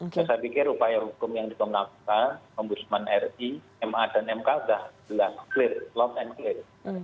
saya pikir upaya hukum yang ditelanjakan komposmen ri ma dan mk sudah clear